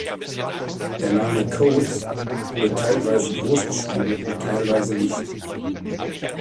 Der Name „Code“ wird teilweise großgeschrieben und teilweise nicht.